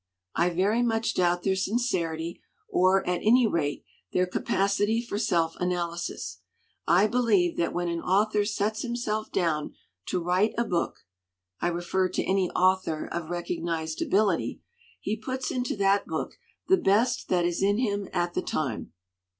I very much doubt their sin cerity, or, at any rate, their capacity for self analysis. I believe that when an author sets him self down to write a book (I refer to any author of recognized ability), he puts into that book the best that is in him at the time.